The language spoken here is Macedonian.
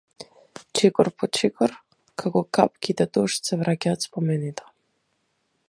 Чекот по чекор како капките дожд се враќаат спомените.